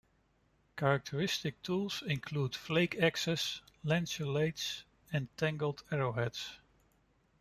Characteristic tools include flake axes, lanceolates and tanged arrowheads.